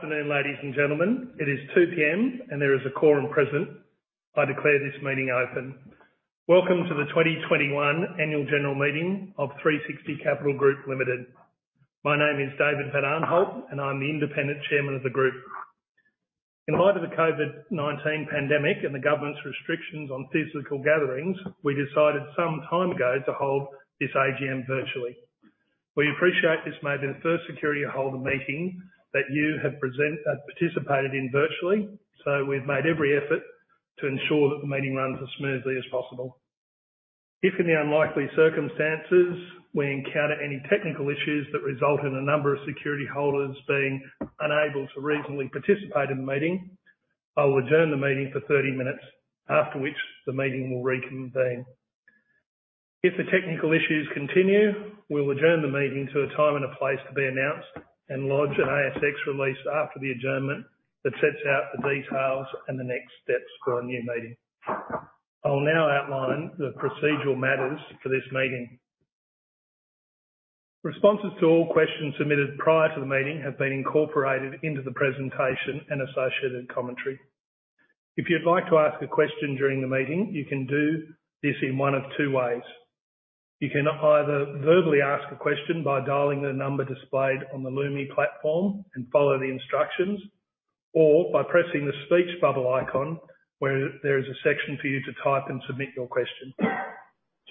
Good afternoon, ladies and gentlemen. It is 2:00 P.M. and there is a quorum present. I declare this meeting open. Welcome to the 2021 annual general meeting of 360 Capital Group Limited. My name is David van Aanholt, and I'm the Independent Chairman of the group. In light of the COVID-19 pandemic and the government's restrictions on physical gatherings, we decided some time ago to hold this AGM virtually. We appreciate this may be the first security holder meeting that you have participated in virtually, so we've made every effort to ensure that the meeting runs as smoothly as possible. If in the unlikely circumstances we encounter any technical issues that result in a number of security holders being unable to reasonably participate in the meeting, I will adjourn the meeting for 30 minutes, after which the meeting will reconvene. If the technical issues continue, we'll adjourn the meeting to a time and a place to be announced and lodge an ASX release after the adjournment that sets out the details and the next steps for a new meeting. I'll now outline the procedural matters for this meeting. Responses to all questions submitted prior to the meeting have been incorporated into the presentation and associated commentary. If you'd like to ask a question during the meeting, you can do this in one of two ways. You can either verbally ask a question by dialing the number displayed on the Lumi platform and follow the instructions, or by pressing the speech bubble icon where there is a section for you to type and submit your question.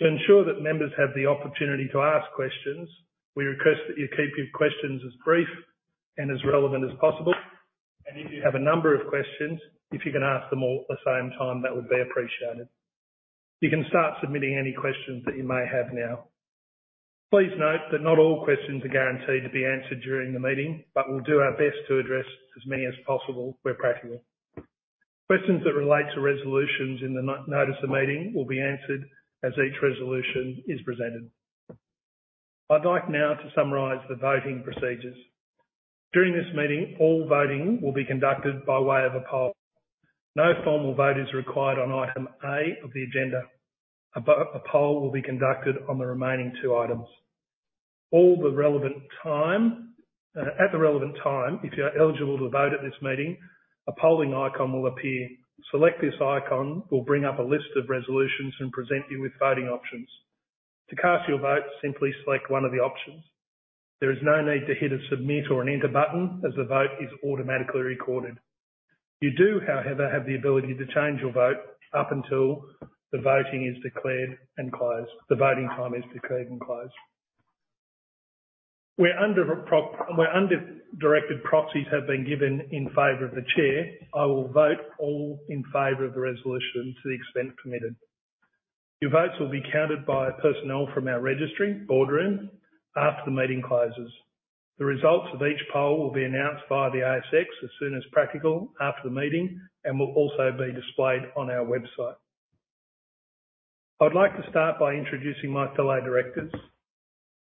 To ensure that members have the opportunity to ask questions, we request that you keep your questions as brief and as relevant as possible. If you have a number of questions, if you can ask them all at the same time, that would be appreciated. You can start submitting any questions that you may have now. Please note that not all questions are guaranteed to be answered during the meeting, but we'll do our best to address as many as possible where practical. Questions that relate to resolutions in the notice of meeting will be answered as each resolution is presented. I'd like now to summarize the voting procedures. During this meeting, all voting will be conducted by way of a poll. No formal vote is required on item A of the agenda. A poll will be conducted on the remaining two items. At the relevant time, if you are eligible to vote at this meeting, a polling icon will appear. Selecting this icon will bring up a list of resolutions and present you with voting options. To cast your vote, simply select one of the options. There is no need to hit a submit or an enter button as the vote is automatically recorded. You do, however, have the ability to change your vote up until the voting is declared and closed. Where under directed proxies have been given in favor of the chair, I will vote all in favor of the resolution to the extent committed. Your votes will be counted by personnel from our registry Boardroom after the meeting closes. The results of each poll will be announced via the ASX as soon as practical after the meeting and will also be displayed on our website. I'd like to start by introducing my fellow directors.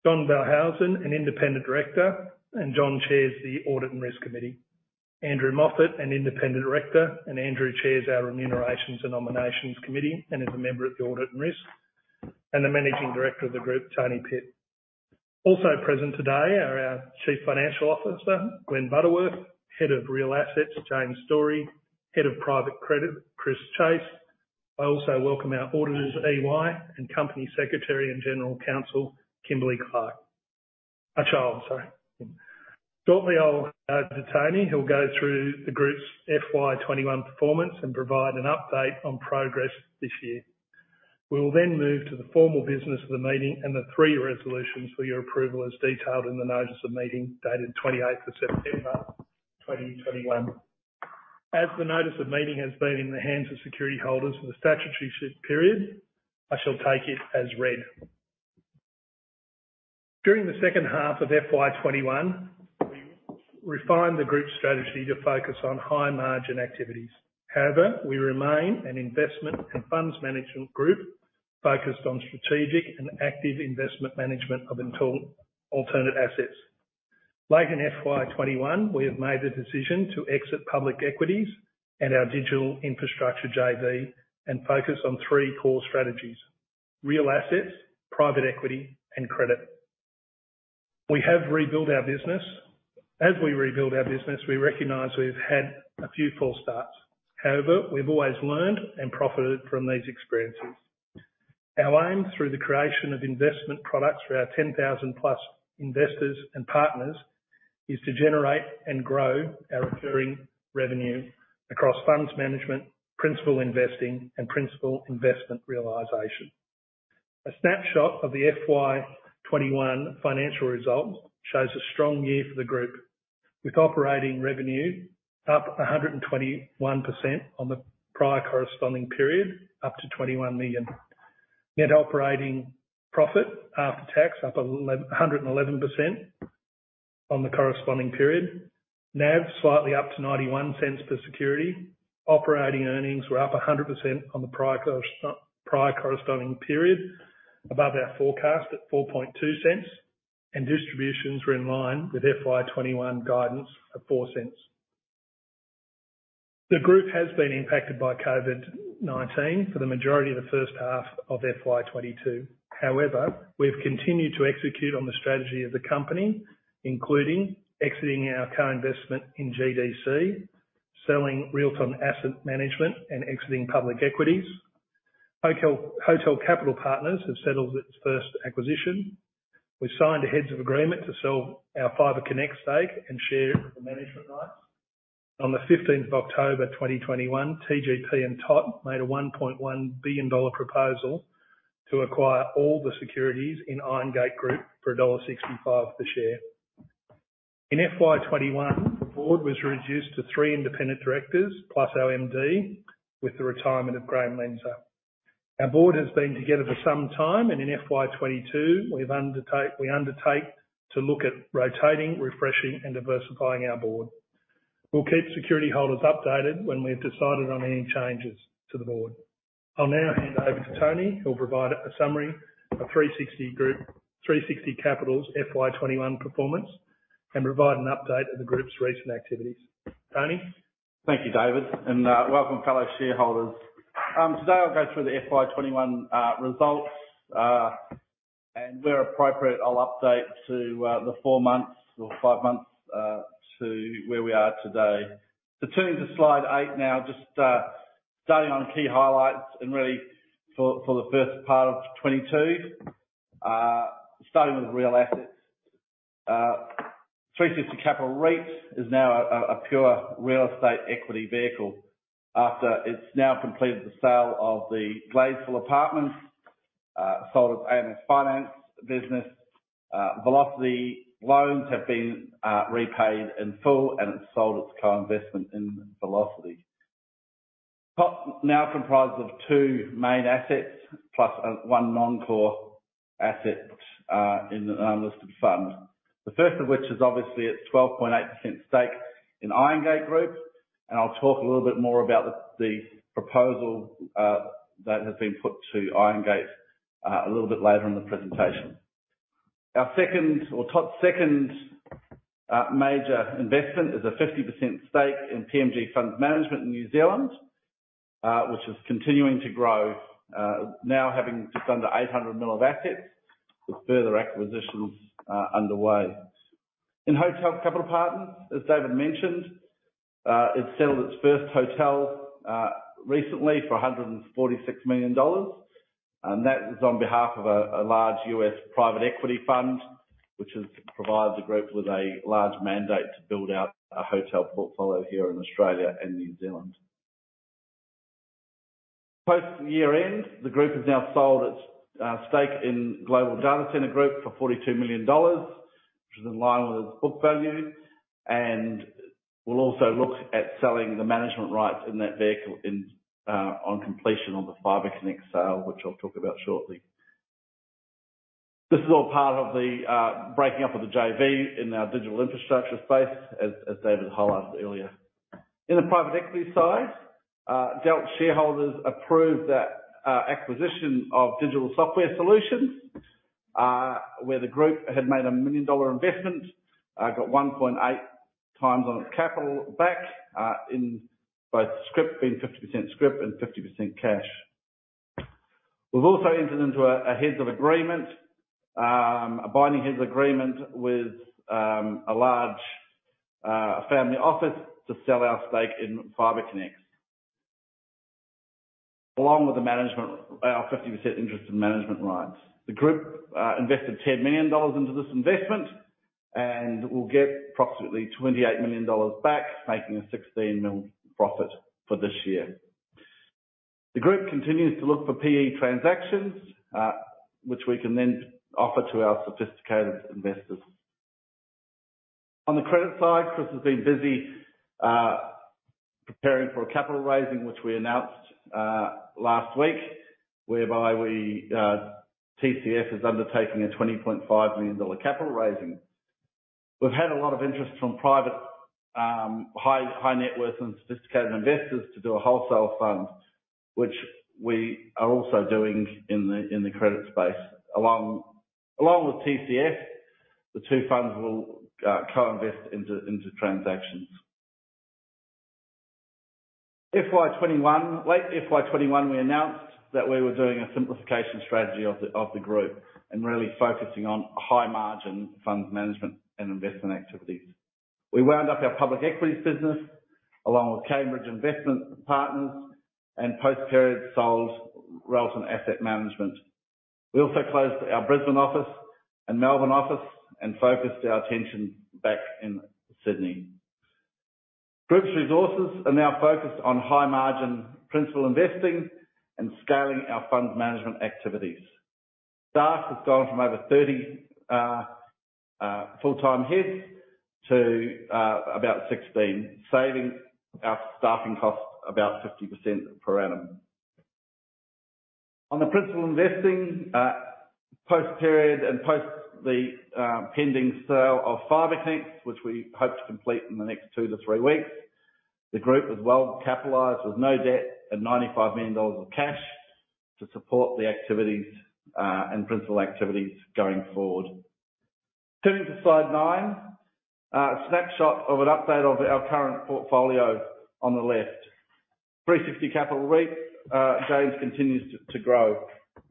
John Ballhausen, an independent director, and John Chairs the audit and risk committee. Andrew Moffat, an independent director, and Andrew chairs our remuneration and nominations committee and is a member of the audit and risk, and the Managing Director of the group, Tony Pitt. Also present today are our Chief Financial Officer, Glenn Butterworth; Head of Real Assets, James Storey; Head of Private Credit, Chris Chase. I also welcome our auditors, EY, and Company Secretary and General Counsel, Kimberly Clarke. Shortly, I'll hand over to Tony, who'll go through the group's FY 2021 performance and provide an update on progress this year. We will then move to the formal business of the meeting and the three resolutions for your approval as detailed in the notice of meeting dated 28th of September 2021. As the notice of meeting has been in the hands of security holders for the statutory period, I shall take it as read. During the second half of FY 2021, we refined the group's strategy to focus on high-margin activities. However, we remain an investment and funds management group focused on strategic and active investment management of alternative assets. Late in FY 2021, we have made the decision to exit public equities and our digital infrastructure JV and focus on three core strategies, real assets, private equity, and credit. We have rebuilt our business. As we rebuild our business, we recognize we've had a few false starts. However, we've always learned and profited from these experiences. Our aim through the creation of investment products for our 10,000+ investors and partners is to generate and grow our recurring revenue across funds management, principal investing, and principal investment realization. A snapshot of the FY 2021 financial result shows a strong year for the group, with operating revenue up 121% on the prior corresponding period, up to 21 million. Net operating profit after tax up 111% on the corresponding period. NAV slightly up to 0.91 per security. Operating earnings were up 100% on the prior corresponding period, above our forecast at 0.042. Distributions were in line with FY 2021 guidance of 0.04. The group has been impacted by COVID-19 for the majority of the first half of FY 2022. However, we've continued to execute on the strategy of the company, including exiting our co-investment in GDC, selling Realta Asset Management, and exiting public equities. Hotel Capital Partners have settled its first acquisition. We signed a heads of agreement to sell our FibreconX stake and share the management rights. On the 15th of October 2021, TGP and TOP made a 1.1 billion dollar proposal to acquire all the securities in Irongate Group for AUD 1.65 a share. In FY 2021, the board was reduced to three independent directors plus our MD, with the retirement of Graham Lenzner. Our board has been together for some time, and in FY 2022 we undertake to look at rotating, refreshing and diversifying our board. We'll keep security holders updated when we've decided on any changes to the board. I'll now hand over to Tony, who'll provide a summary of 360 Capital Group's FY 2021 performance and provide an update of the Group's recent activities. Tony. Thank you, David, welcome fellow shareholders. Today I'll go through the FY 2021 results and where appropriate, I'll update to the four months or five months to where we are today. Turning to Slide 8 now, just starting on key highlights and really for the first part of 2022, starting with Real Assets. 360 Capital REIT is now a pure real estate equity vehicle after it's now completed the sale of the Gladesville Apartments, sold its AMS Finance business. Velocity loans have been repaid in full and it's sold its co-investment in Velocity. TOP now comprises of two main assets plus a one non-core asset in an unlisted fund. The first of which is obviously its 12.8% stake in Irongate Group. I'll talk a little bit more about the proposal that has been put to Irongate a little bit later in the presentation. Our second or TOP's second major investment is a 50% stake in TMG Funds Management in New Zealand, which is continuing to grow, now having just under 800 million of assets with further acquisitions underway. In Hotel Capital Partners, as David mentioned, it's settled its first hotel recently for 146 million dollars, and that is on behalf of a large U.S. private equity fund, which has provided the group with a large mandate to build out a hotel portfolio here in Australia and New Zealand. Post year-end, the group has now sold its stake in Global Data Centre Group for 42 million dollars, which is in line with its book value. We'll also look at selling the management rights in that vehicle in on completion of the FibreconX sale, which I'll talk about shortly. This is all part of the breaking up of the JV in our digital infrastructure space as David highlighted earlier. In the private equity side, Delt shareholders approved the acquisition of Digital Software Solutions, where the group had made a 1 million dollar investment, got 1.8x on its capital back, in both scrip, being 50% scrip and 50% cash. We've also entered into a heads of agreement, a binding heads of agreement with a large family office to sell our stake in FibreconX. Along with the management, our 50% interest in management rights. The group invested 10 million dollars into this investment and will get approximately 28 million dollars back, making a 16 million profit for this year. The group continues to look for PE transactions, which we can then offer to our sophisticated investors. On the credit side, Chris has been busy preparing for a capital raising which we announced last week, whereby we, TCF is undertaking a 20.5 million dollar capital raising. We've had a lot of interest from private high net worth and sophisticated investors to do a wholesale fund which we are also doing in the credit space. Along with TCF, the two funds will co-invest into transactions. Late FY 2021, we announced that we were doing a simplification strategy of the group and really focusing on high margin funds management and investment activities. We wound up our public equities business along with Cambridge Investment Partners and post-period sold Realta Asset Management. We also closed our Brisbane office and Melbourne office and focused our attention back in Sydney. Group's resources are now focused on high margin principal investing and scaling our funds management activities. Staff has gone from over 30 full-time heads to about 16, saving our staffing costs about 50% per annum. On the principal investing, post-period and post the pending sale of FibreconX, which we hope to complete in the next two-three weeks, the group is well capitalized with no debt and 95 million dollars of cash to support the activities and principal activities going forward. Turning to Slide 9, a snapshot of an update of our current portfolio on the left. 360 Capital REIT gains continues to grow.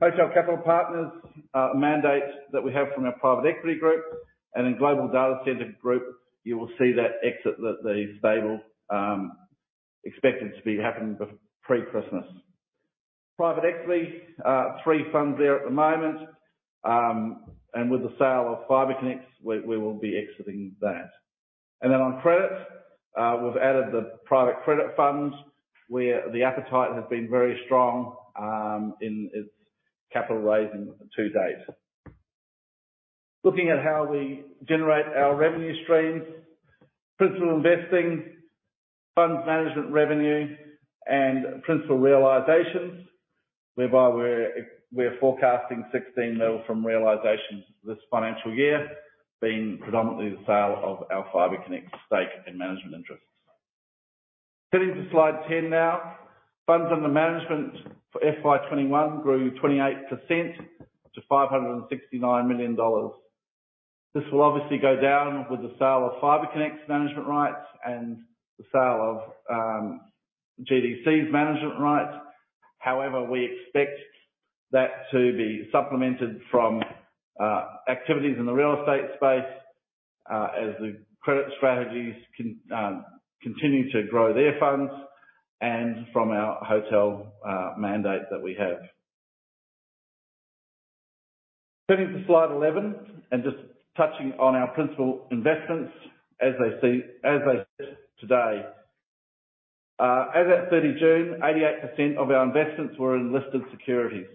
Hotel Capital Partners mandate that we have from our private equity group and in Global Data Centre Group, you will see that exit that they're stable, expected to be happening before Christmas. Private equity, three funds there at the moment, and with the sale of FibreconX we will be exiting that. On credit, we've added the private credit funds where the appetite has been very strong in its capital raising to-date. Looking at how we generate our revenue streams, principal investing, funds management revenue, and principal realizations, whereby we're forecasting 16 million from realizations this financial year being predominantly the sale of our FibreconX stake and management interests. Turning to Slide 10 now. Funds under management for FY 2021 grew 28% to 569 million dollars. This will obviously go down with the sale of FibreconX's management rights and the sale of GDC's management rights. However, we expect that to be supplemented from activities in the real estate space, as the credit strategies continue to grow their funds and from our hotel mandate that we have. Turning to Slide 11 and just touching on our principal investments as they are today. As at 30 June, 88% of our investments were in listed securities.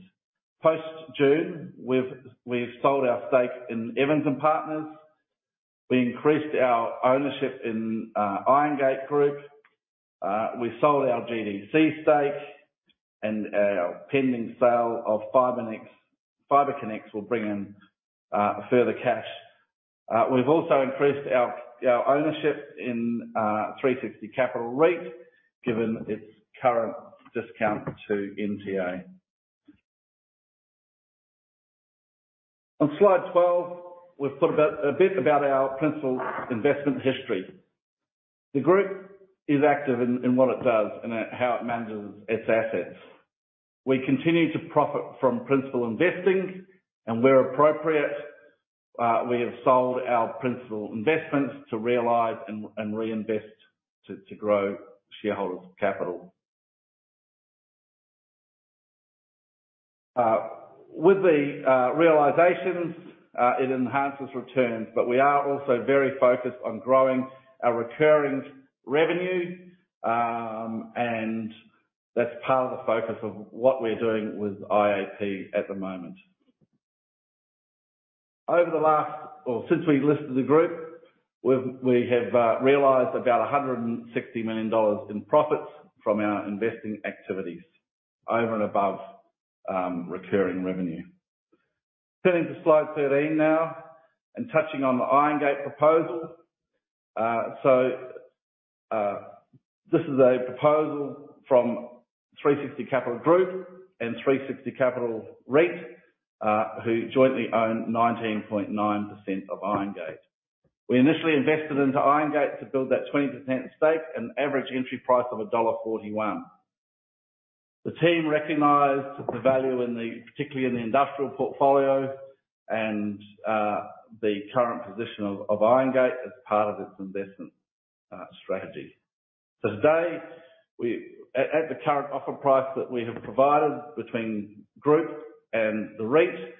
Post-June, we've sold our stake in Evans Dixon. We increased our ownership in Irongate Group. We sold our GDC stake and our pending sale of FibreconX will bring in further cash. We've also increased our ownership in 360 Capital REIT, given its current discount to NTA. On Slide 12, we've put a bit about our principal investment history. The group is active in what it does and in how it manages its assets. We continue to profit from principal investing, and where appropriate, we have sold our principal investments to realize and reinvest to grow shareholders' capital. With the realizations, it enhances returns, but we are also very focused on growing our recurring revenue, and that's part of the focus of what we're doing with IAP at the moment. Since we listed the group, we have realized about 160 million dollars in profits from our investing activities over and above recurring revenue. Turning to Slide 13 now and touching on the Irongate proposal. This is a proposal from 360 Capital Group and 360 Capital REIT, who jointly own 19.9% of Irongate. We initially invested into Irongate to build that 20% stake and average entry price of dollar 1.41. The team recognized the value in the particularly in the industrial portfolio and the current position of Irongate as part of its investment strategy. At the current offer price that we have provided between groups and the REIT,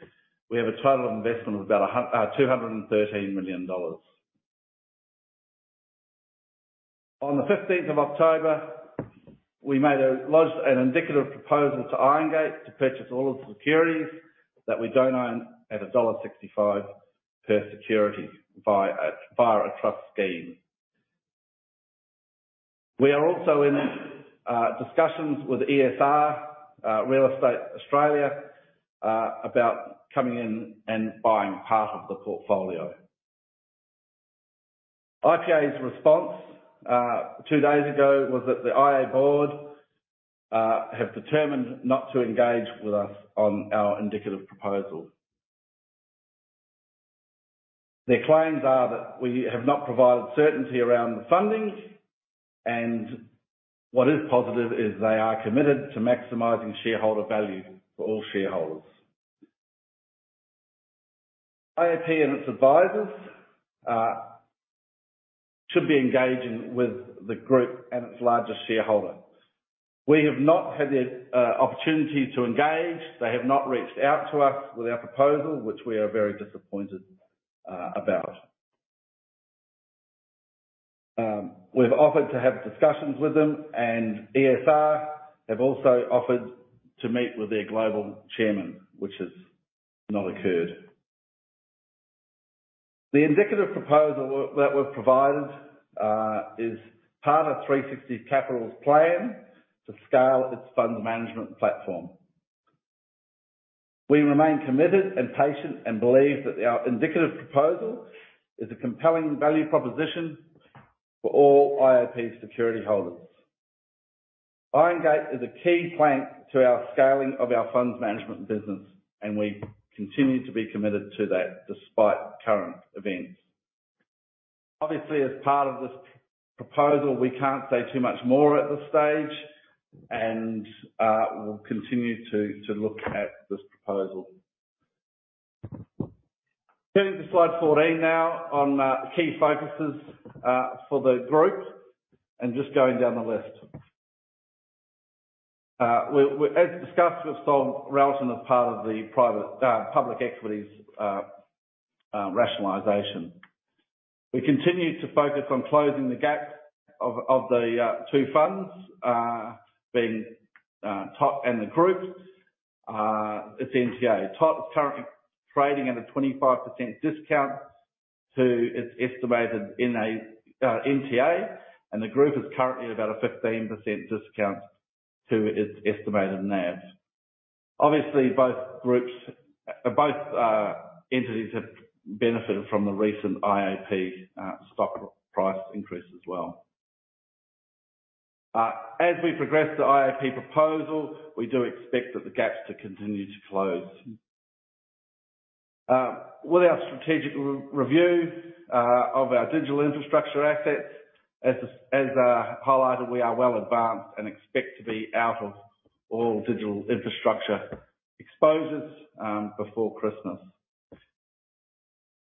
we have a total investment of about 213 million dollars. On the 15th of October, we lodged an indicative proposal to Irongate to purchase all of the securities that we don't own at dollar 1.65 per security via a trust scheme. We are also in discussions with ESR Real Estate Australia about coming in and buying part of the portfolio. IAP's response two days ago was that the IAP board have determined not to engage with us on our indicative proposal. Their claims are that we have not provided certainty around the funding and what is positive is they are committed to maximizing shareholder value for all shareholders. IAP and its advisors should be engaging with the group and its largest shareholder. We have not had the opportunity to engage. They have not reached out to us with our proposal, which we are very disappointed about. We've offered to have discussions with them and ESR have also offered to meet with their global chairman, which has not occurred. The indicative proposal that we've provided is part of 360 Capital's plan to scale its funds management platform. We remain committed and patient and believe that our indicative proposal is a compelling value proposition for all IAP security holders. Irongate is a key plank to our scaling of our funds management business, and we continue to be committed to that despite current events. Obviously, as part of this proposal, we can't say too much more at this stage and we'll continue to look at this proposal. Turning to Slide 14 now on key focuses for the group and just going down the list. As discussed, we've sold Realta as part of the public equities rationalization. We continue to focus on closing the gaps of the two funds being TOP and the group its NTA. TOP is currently trading at a 25% discount to its estimated NTA, and the group is currently at about a 15% discount to its estimated NAV. Obviously, both entities have benefited from the recent IAP stock price increase as well. As we progress the IAP proposal, we do expect that the gaps to continue to close. With our strategic re-review of our digital infrastructure assets, as highlighted, we are well advanced and expect to be out of all digital infrastructure exposures before Christmas.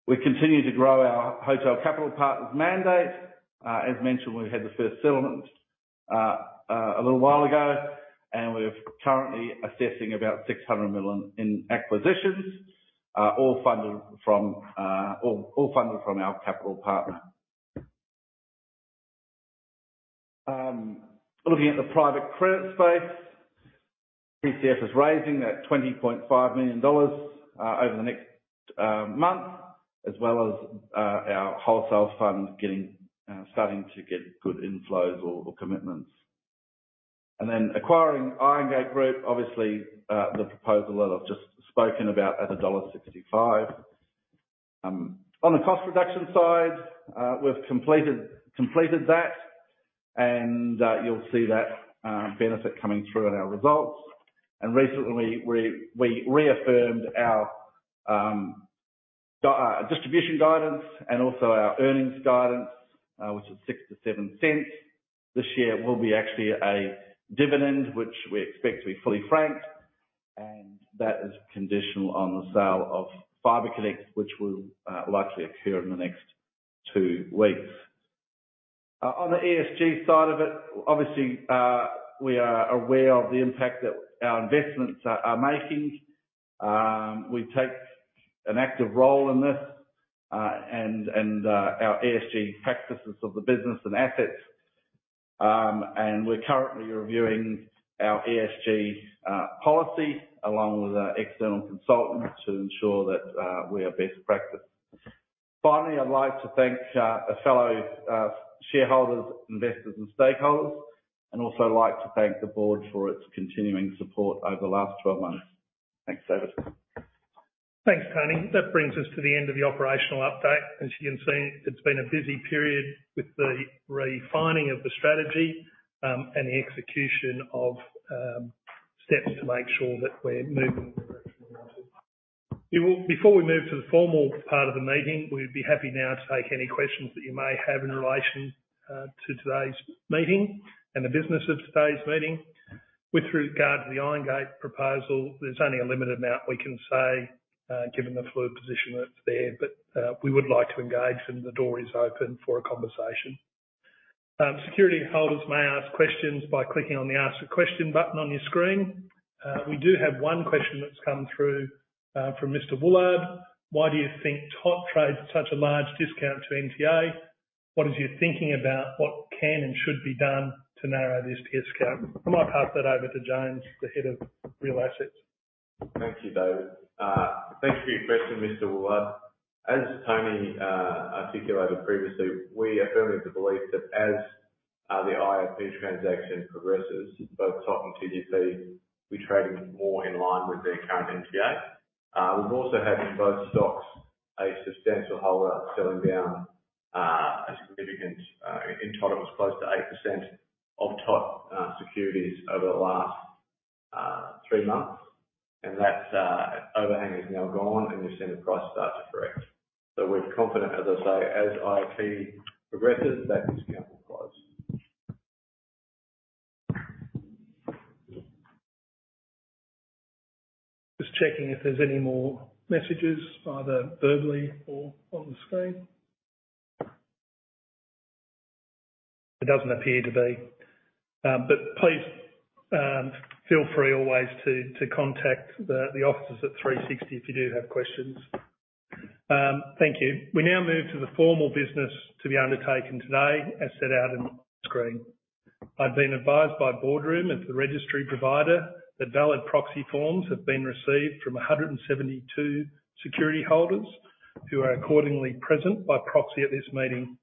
We continue to grow our Hotel Capital Partners mandate. As mentioned, we had the first settlement a little while ago, and we're currently assessing about 600 million in acquisitions, all funded from our capital partner. Looking at the private credit space, TCF is raising 20.5 million dollars over the next month, as well as our wholesale fund starting to get good inflows or commitments. Acquiring Irongate Group, obviously, the proposal that I've just spoken about at dollar 1.65. On the cost reduction side, we've completed that and you'll see that benefit coming through in our results. Recently we reaffirmed our distribution guidance and also our earnings guidance, which is 0.06-0.07. This year will be actually a dividend which we expect to be fully franked, and that is conditional on the sale of FibreconX, which will likely occur in the next two weeks. On the ESG side of it, obviously, we are aware of the impact that our investments are making. We take an active role in this, and our ESG practices of the business and assets. We're currently reviewing our ESG policy along with our external consultants to ensure that we are best practice. Finally, I'd like to thank fellow shareholders, investors and stakeholders, and also like to thank the board for its continuing support over the last 12 months. Thanks, David. Thanks, Tony. That brings us to the end of the operational update. As you can see, it's been a busy period with the refining of the strategy, and the execution of steps to make sure that we're moving in the direction we want to. People, before we move to the formal part of the meeting, we'd be happy now to take any questions that you may have in relation to today's meeting and the business of today's meeting. With regard to the Irongate proposal, there's only a limited amount we can say, given the fluid position that's there, but we would like to engage and the door is open for a conversation. Security holders may ask questions by clicking on the Ask a Question button on your screen. We do have one question that's come through from Mr. Woollard. Why do you think TOP trades at such a large discount to NTA? What is your thinking about what can and should be done to narrow this discount? I might pass that over to James, the Head of Real Assets. Thank you, David. Thank you for your question, Mr. Woollard. As Tony articulated previously, we are firmly of the belief that as the IAP transaction progresses, both TOP and TGP will be trading more in line with their current NTA. We've also had in both stocks a substantial holder selling down a significant, in total it was close to 8% of TOP securities over the last three months. And that overhang is now gone and you're seeing the price start to correct. We're confident, as I say, as IAP progresses, that discount will close. Just checking if there's any more messages either verbally or on the screen. There doesn't appear to be. Please feel free always to contact the offices at 360 if you do have questions. Thank you. We now move to the formal business to be undertaken today as set out on the screen. I've been advised by Boardroom as the registry provider that valid proxy forms have been received from 172 security holders who are accordingly present by proxy at this meeting.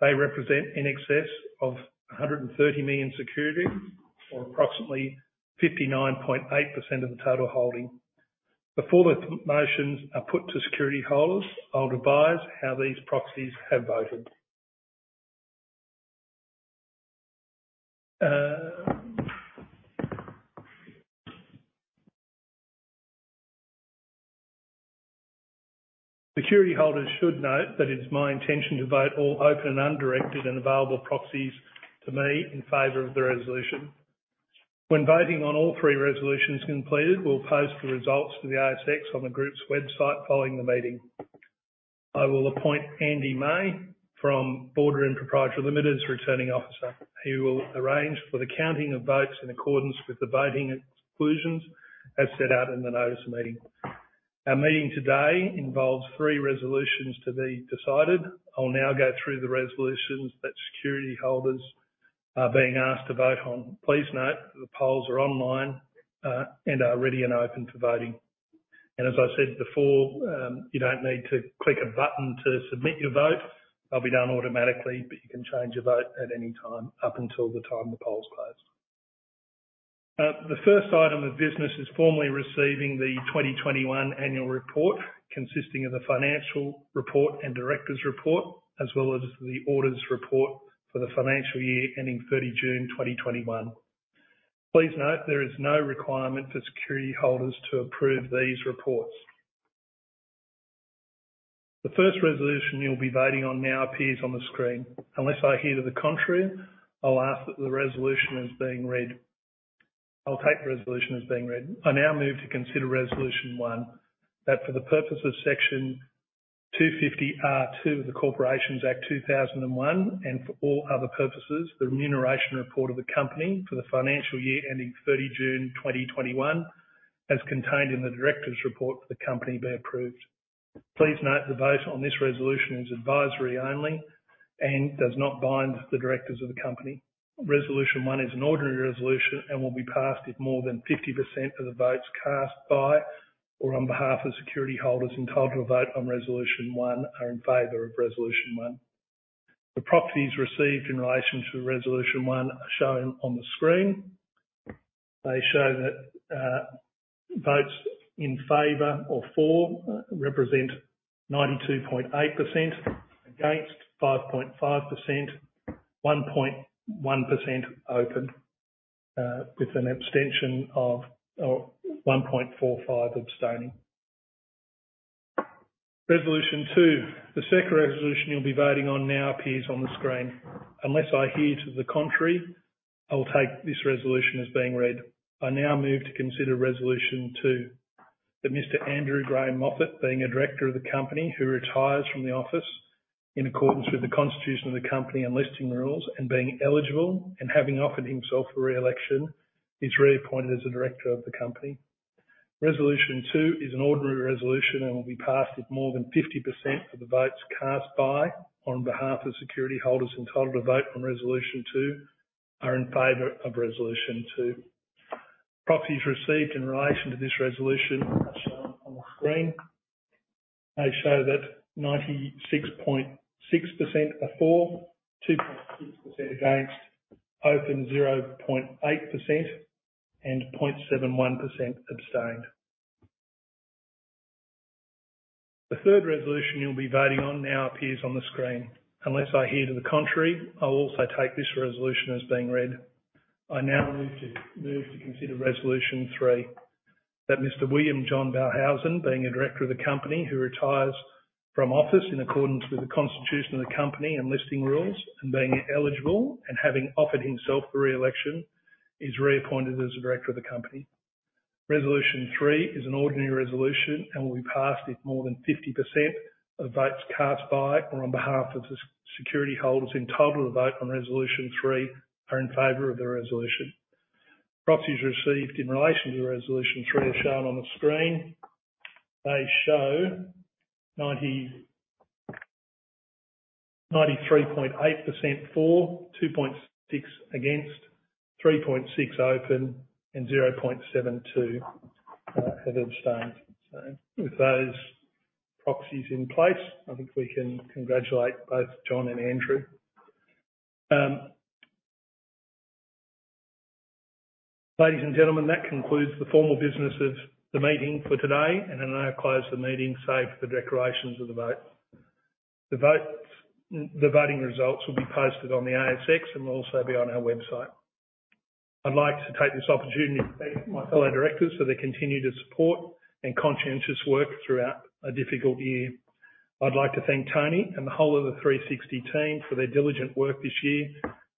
They represent in excess of 130 million securities or approximately 59.8% of the total holding. Before the motions are put to security holders, I'll advise how these proxies have voted. Security holders should note that it's my intention to vote all open and undirected and available proxies to me in favor of the resolution. When voting on all three resolutions is completed, we'll post the results to the ASX on the group's website following the meeting. I will appoint Andy May from Boardroom Pty Limited as Returning Officer. He will arrange for the counting of votes in accordance with the voting exclusions as set out in the notice of meeting. Our meeting today involves three resolutions to be decided. I'll now go through the resolutions that security holders are being asked to vote on. Please note the polls are online and are ready and open for voting. As I said before, you don't need to click a button to submit your vote. They'll be done automatically, but you can change your vote at any time up until the time the polls close. The first item of business is formally receiving the 2021 annual report, consisting of the financial report and director's report, as well as the auditor's report for the financial year ending 30 June 2021. Please note there is no requirement for security holders to approve these reports. The first resolution you'll be voting on now appears on the screen. Unless I hear to the contrary, I'll assume that the resolution has been read. I'll take the resolution as being read. I now move to consider resolution one, that for the purpose of Section 250R(2) of the Corporations Act 2001, and for all other purposes, the remuneration report of the company for the financial year ending 30 June 2021 as contained in the directors' report for the company, be approved. Please note the vote on this resolution is advisory only and does not bind the directors of the company. Resolution one is an ordinary resolution and will be passed if more than 50% of the votes cast by or on behalf of security holders entitled to vote on resolution one are in favor of resolution one. The proxies received in relation to resolution one are shown on the screen. They show that, votes in favor or for represent 92.8%, against 5.5%, 1.1% open, or 1.45% abstaining. Resolution 2. The second resolution you'll be voting on now appears on the screen. Unless I hear to the contrary, I will take this resolution as being read. I now move to consider Resolution 2, that Mr. Andrew Graeme Moffat, being a director of the company who retires from the office in accordance with the constitution of the company and listing rules, and being eligible and having offered himself for re-election, is reappointed as a director of the company. Resolution 2 is an ordinary resolution and will be passed if more than 50% of the votes cast by or on behalf of security holders entitled to vote on Resolution 2 are in favor of resolution two. Proxies received in relation to this resolution are shown on the screen. They show that 96.6% are for, 2.6% against, open 0.8%, and 0.71% abstained. The third resolution you'll be voting on now appears on the screen. Unless I hear to the contrary, I'll also take this resolution as being read. I now move to consider resolution three, that Mr. William John Ballhausen, being a director of the company who retires from office in accordance with the constitution of the company and listing rules, and being eligible and having offered himself for re-election, is reappointed as a director of the company. Resolution three is an ordinary resolution and will be passed if more than 50% of votes cast by or on behalf of the security holders entitled to vote on resolution three are in favor of the resolution. Proxies received in relation to resolution three are shown on the screen. They show 93.8% for, 2.6 against, 3.6 open, and 0.72 have abstained. With those proxies in place, I think we can congratulate both John and Andrew. Ladies and gentlemen, that concludes the formal business of the meeting for today, and I now close the meeting save for the declarations of the vote. The vote- the voting results will be posted on the ASX and will also be on our website. I'd like to take this opportunity to thank my fellow directors for their continued support and conscientious work throughout a difficult year. I'd like to thank Tony and the whole of the 360 team for their diligent work this year,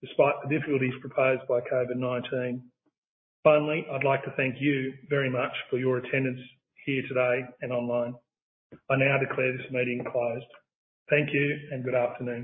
despite the difficulties posed by COVID-19. Finally, I'd like to thank you very much for your attendance here today and online. I now declare this meeting closed. Thank you and good afternoon.